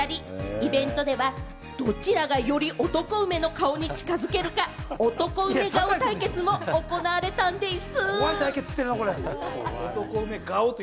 イベントでは、どちらがより男梅の顔に近づけるか、男梅対決も行われたんでぃす。